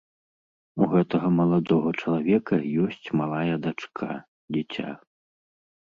У гэтага маладога чалавека ёсць малая дачка, дзіця.